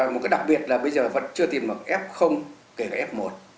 một cái đặc biệt là bây giờ vẫn chưa tìm mặc f kể cả f một